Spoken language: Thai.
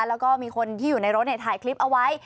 แล้วก็มีคนที่อยู่ในรถถ่ายคลิปเอาไว้